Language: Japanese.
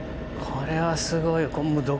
これはすごい！